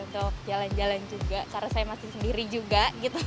untuk jalan jalan juga karena saya masih sendiri juga